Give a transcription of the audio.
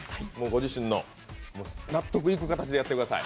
ご自身の納得いく形でやってください。